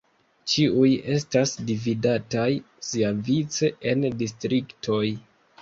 Ĉiuj estas dividataj siavice en distriktoj.